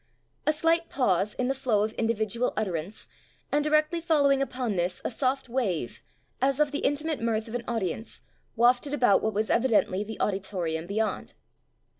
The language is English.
A slight pause in the flow of individual utterance, and directly fol lowing upon this a soft wave as of the intimate mirth of an audience, wafted about what was evidently the audi torium beyond.